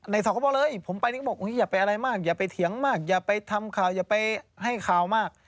เขาก็บอกเลยผมไปนี่ก็บอกอย่าไปอะไรมากอย่าไปเถียงมากอย่าไปทำข่าวอย่าไปให้ข่าวมาก